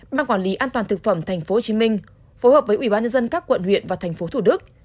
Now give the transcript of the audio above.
mang quản lý an toàn thực phẩm tp hcm phối hợp với ubnd các quận huyện và tp thủ đức